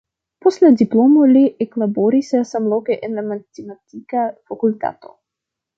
Post la diplomo li eklaboris samloke en la matematika fakultato.